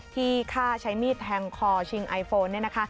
ที่ฆ่าใช้มีดแทงคอชิงไอโฟน